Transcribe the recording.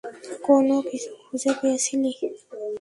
কোনোকিছু খুঁজে পেয়েছিলি?